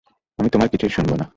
আমি তোমার কিছুই শুনবো না।